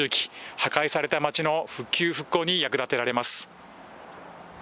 破壊された街の復旧・復興に役立てられます。